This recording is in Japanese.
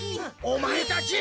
おまえたち。